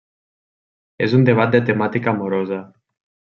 És un debat de temàtica amorosa.